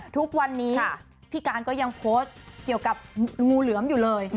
ทุกวันนี้พี่การก็ยังโพสต์เกี่ยวกับงูเหลือมอยู่เลย